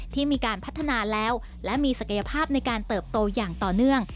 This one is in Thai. ที่มีการพัฒนาแล้วและมีศักยภาพในการเติบโตอย่างต่อเนื่อง